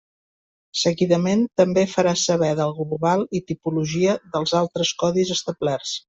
Seguidament també farà saber del global i tipologia dels altres codis establerts.